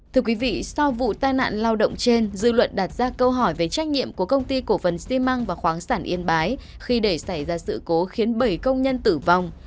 thưa quý vị sau vụ tai nạn lao động trên dư luận đặt ra câu hỏi về trách nhiệm của công ty cổ phần xi măng và khoáng sản yên bái khi để xảy ra sự cố khiến bảy công nhân tử vong